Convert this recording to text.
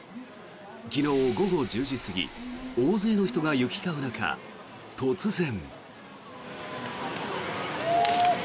昨日午後１０時過ぎ大勢の人が行き交う中、突然。